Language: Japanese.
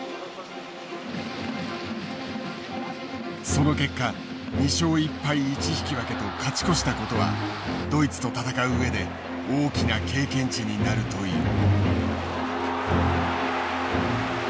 その結果２勝１敗１引き分けと勝ち越したことはドイツと戦う上で大きな経験値になるという。